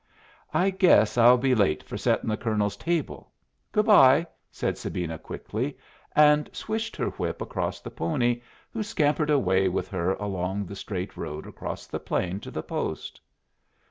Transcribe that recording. "I guess I'll be late for settin' the colonel's table. Good bye," said Sabina, quickly, and swished her whip across the pony, who scampered away with her along the straight road across the plain to the post.